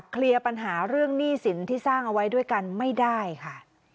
เคลียร์ปัญหาเรื่องหนี้สินที่สร้างเอาไว้ด้วยกันไม่ได้ค่ะ